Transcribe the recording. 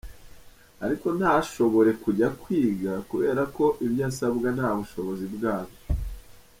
ariko ntashobore kujya kwiga kubera ko ibyo asabwa nta bushobozi bwabyo